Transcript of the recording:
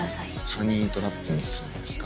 ハニートラップもするんですか？